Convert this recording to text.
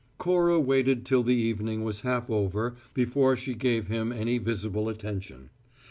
Cora waited till the evening was half over before she gave him any visible attention.